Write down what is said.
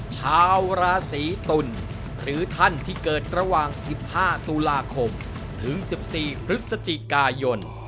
ชาวราศีตุลหรือท่านที่เกิดระหว่าง๑๕ตุลาคมถึง๑๔พฤศจิกายน